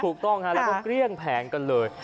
ถูกต้องฮะแล้วก็เกลี้ยงแผงกันเลย